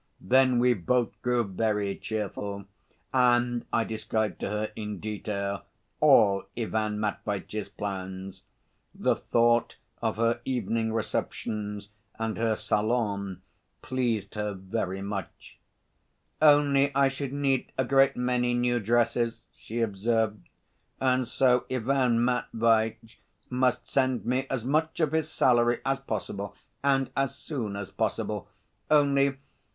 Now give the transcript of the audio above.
Then we both grew very cheerful, and I described to her in detail all Ivan Matveitch's plans. The thought of her evening receptions and her salon pleased her very much. "Only I should need a great many new dresses," she observed, "and so Ivan Matveitch must send me as much of his salary as possible and as soon as possible. Only